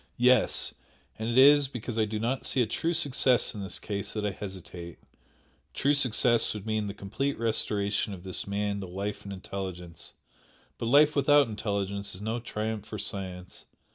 Yes! And it is because I do not see a true success in this case that I hesitate; true success would mean the complete restoration of this man to life and intelligence, but life without intelligence is no triumph for science.